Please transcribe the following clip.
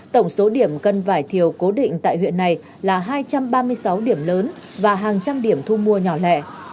tổng số điểm cân vải thiều cố định tại huyện này là hai trăm ba mươi sáu điểm lớn và hàng trăm điểm thu mua nhỏ lẻ